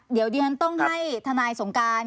เดี๋ยวดีกว่าต้องให้ท่านายสงการ